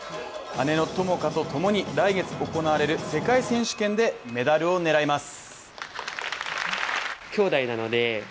姉の友花と共に来月行われる世界選手権でメダルを狙います。